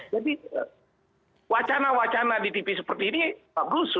jadi wacana wacana di tv seperti ini bagus